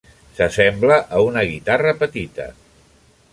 S'assembla a una guitarra petita.